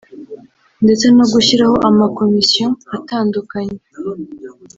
ndetse no gushyiraho ama “commissions” atandukanye